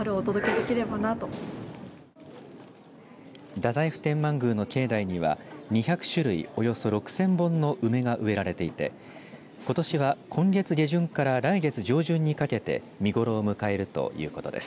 太宰府天満宮の境内には２００種類、およそ６０００本の梅が植えられていてことしは今月下旬から来月上旬にかけて見頃を迎えるということです。